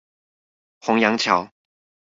虹揚橋